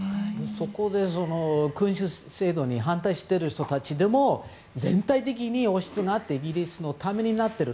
そこで、君主制度に反対している人たちでも全体的に王室になってイギリスのためになっている。